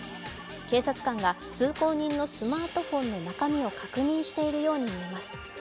警察官が通行人のスマートフォンの中身を確認しているように見えます。